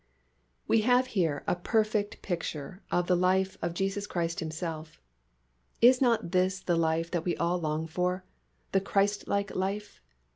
We have here a perfect picture of the life of Jesus Christ Himself. Is not this the life that we all long for, the Christlike life?